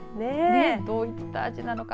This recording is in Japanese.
どういった味なのか。